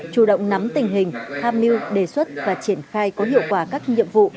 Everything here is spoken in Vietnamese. chủ động nắm tình hình tham mưu đề xuất và triển khai có hiệu quả các nhiệm vụ